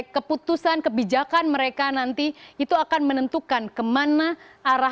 keputusan kebijakan mereka nanti itu akan menentukan kemana arah amerika serikat disitulah